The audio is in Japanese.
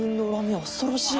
あ恐ろしい。